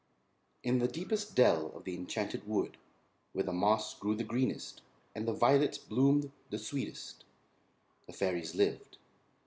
] In the deepest dell of the Enchanted Wood, where the moss grew the greenest and the violets bloomed the sweetest, the fairies lived.